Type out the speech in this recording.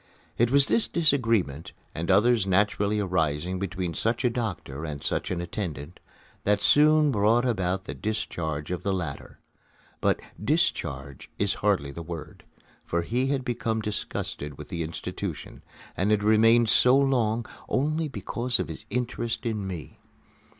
It was this disagreement, and others naturally arising between such a doctor and such an attendant, that soon brought about the discharge of the latter. But "discharge" is hardly the word, for he had become disgusted with the institution, and had remained so long only because of his interest in me.